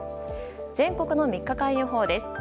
全国の３日間予報です。